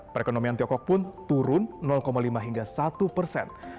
perekonomian tiongkok pun turun lima hingga satu persen